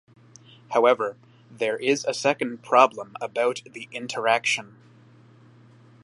However, there is a second problem about the interaction.